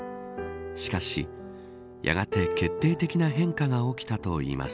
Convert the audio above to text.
しかし、やがて決定的な変化が起きたといいます。